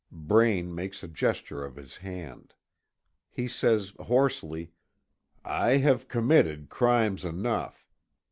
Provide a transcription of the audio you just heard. Braine makes a gesture of his hand. He says hoarsely: "I have committed crimes enough.